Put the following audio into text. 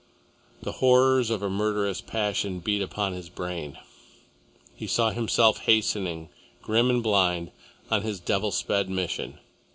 The horrors of a murderous passion beat upon his brain. He saw himself hastening, grim and blind, on his devil sped mission.